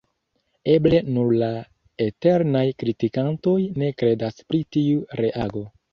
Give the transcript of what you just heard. Eble nur la eternaj kritikantoj ne kredas pri tiu reago.